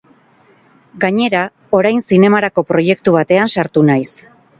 Gainera, orain zinemarako proiektu batean sartu naiz.